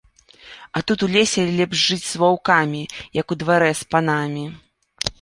А тут у лесе лепш жыць з ваўкамі, як у дварэ з панамі.